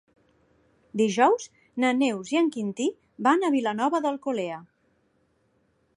Dijous na Neus i en Quintí van a Vilanova d'Alcolea.